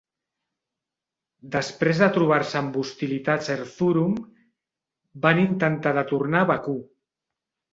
Després de trobar-se amb hostilitats a Erzurum, van intentar de tornar a Bakú.